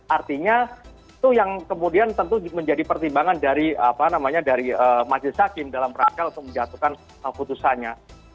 artinya itu yang kemudian tentu menjadi pertimbangan dari majelis hakim dalam rangka untuk menjatuhkan putusannya